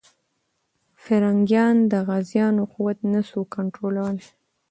پرنګیان د غازيانو قوت نه سو کنټرولولی.